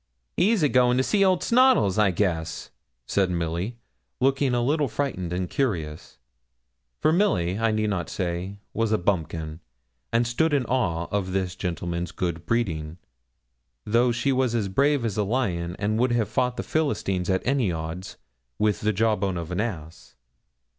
'He'll be goin' to see old Snoddles, I guess,' said Milly, looking a little frightened and curious; for Milly, I need not say, was a bumpkin, and stood in awe of this gentleman's good breeding, though she was as brave as a lion, and would have fought the Philistines at any odds, with the jawbone of an ass.